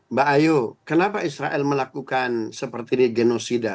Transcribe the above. mbak ayu kenapa israel melakukan seperti ini genosida